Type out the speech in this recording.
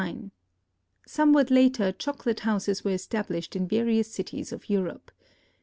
Somewhat later chocolate houses were established in various cities of Europe.